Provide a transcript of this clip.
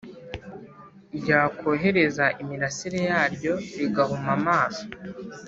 ryakohereza imirasire yaryo, rigahuma amaso.